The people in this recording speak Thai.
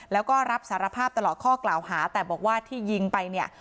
แล้วก็รับสารภาพตลอดข้อกล่าวหาแต่บอกว่าที่ยิงไปเนี่ย